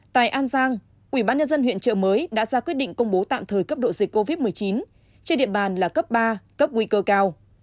tại an giang quỹ ban nhân dân huyện trợ mới đã ra quyết định công bố tạm thời cấp độ dịch covid một mươi chín trên địa bàn là cấp ba cấp nguy cơ cao